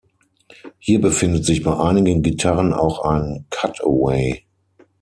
Hier befindet sich bei einigen Gitarren auch ein "Cutaway".